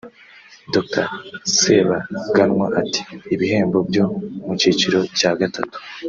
Dr Sebaganwa ati “Ibihembo byo mu cyiciro cya gatatu